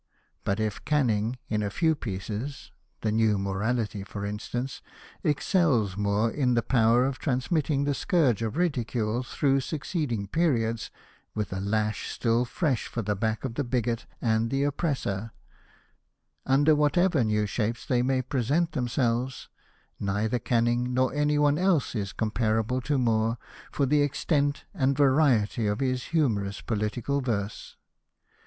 But if Canning in a few pieces — the Neiiij Morality^ for instance — excels Moore in the " power of transmitting the scourge of ridicule through succeeding periods, with a lash still fresh for the back of the bigot and the oppressor, under whatever new shapes they may present them selves/' 1 neither Canning nor any one else is com parable to Moore for the extent and variety of his humorous political verse.